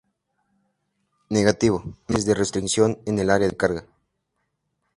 Negativo. No hay arneses de restricción en el área de carga.